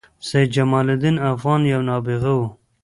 سيدجمال الدين افغان یو نابغه وه